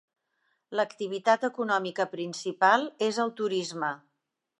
L'activitat econòmica principal és el turisme.